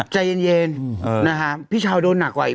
ใจเย็นนะฮะพี่ชาวโดนหนักกว่าอีก